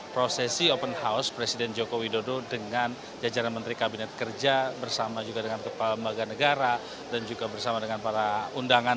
prosesi open house presiden joko widodo dengan jajaran menteri kabinet kerja bersama juga dengan kepala lembaga negara dan juga bersama dengan para undangan